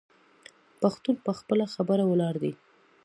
پښتون په خپله خبره ولاړ دی.